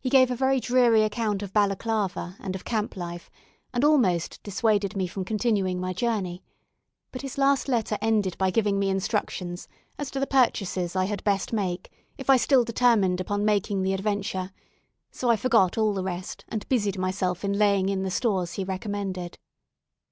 He gave a very dreary account of Balaclava and of camp life, and almost dissuaded me from continuing my journey; but his last letter ended by giving me instructions as to the purchases I had best make, if I still determined upon making the adventure; so I forgot all the rest, and busied myself in laying in the stores he recommended.